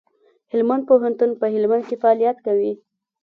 هلمند پوهنتون په هلمند کي فعالیت کوي.